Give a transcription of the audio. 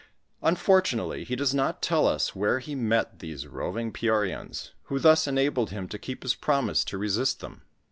f Unfortunately he does not tolls us where ho met these roving Pcorians, who thus enabled him to keep his promise to resist them.